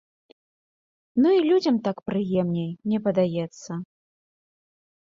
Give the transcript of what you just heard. Ну, і людзям так прыемней, мне падаецца.